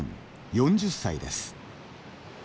４０歳です。